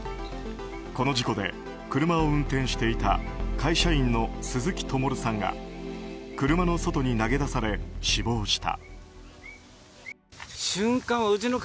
この事故で、車を運転していた会社員の鈴木友瑠さんが車の外に投げ出され、死亡した。